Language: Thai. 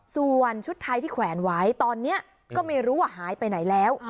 ส่วนชุดไทยที่แขวนไว้ตอนนี้ก็ไม่รู้ว่าหายไปไหนแล้ว